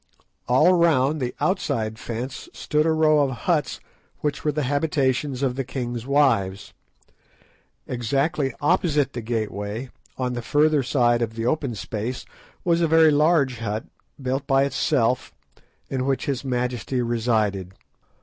All round the outside fence stood a row of huts, which were the habitations of the king's wives. Exactly opposite the gateway, on the further side of the open space, was a very large hut, built by itself, in which his majesty resided.